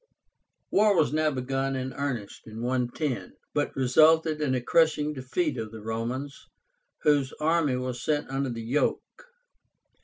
War was now begun in earnest (110), but resulted in a crushing defeat of the Romans, whose army was sent under the yoke.